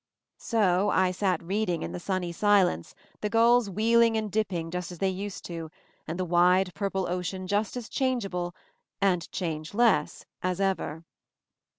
So I sat reading in the sunny silence, the gulls wheeling and dipping just as they used to, and the wide purple ocean just as changeable — and changeless — as ever.